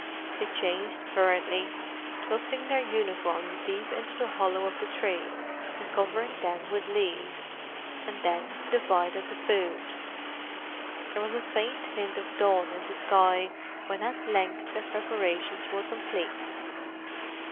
They changed hurriedly, thrusting their uniforms deep into the hollow of the tree and covering them with leaves; and then divided the food. There was a faint hint of dawn in the sky when at length their preparations were complete.